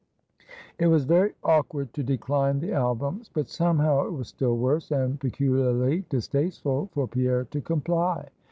It was very awkward to decline the albums; but somehow it was still worse, and peculiarly distasteful for Pierre to comply.